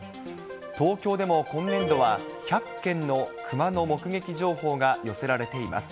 東京でも今年度は１００件のクマの目撃情報が寄せられています。